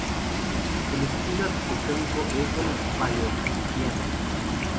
El estilo arquitectónico es el Paleocristiano.